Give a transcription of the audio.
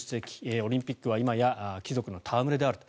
オリンピックは今や貴族の戯れであると。